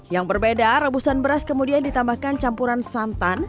yang berbeda rebusan beras kemudian ditambahkan campuran santan